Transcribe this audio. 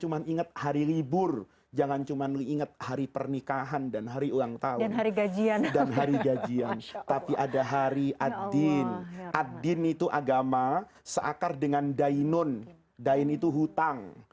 dan hari gajian hari gajian tapi ada hari addin addin itu agama seakar dengan dainun dain itu hutang